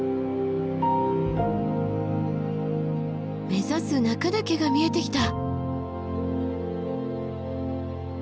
目指す中岳が見えてきた！